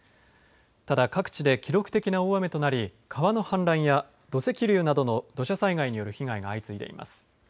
ただ、各地で記録的な大雨となり川の氾濫や土石流などの土砂災害による被害が相次いでいます。